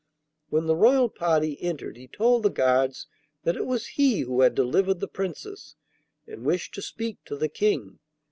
When the royal party entered he told the guards that it was he who had delivered the Princess, and wished to speak to the King.